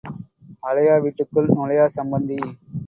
அழையா வீட்டுக்குள் நுழையாச் சம்பந்தி.